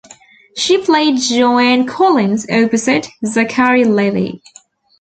She played Joanne Collins opposite Zachary Levi.